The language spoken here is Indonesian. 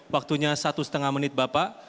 waktunya satu setengah menit bapak